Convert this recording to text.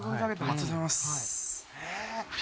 ありがとうございます。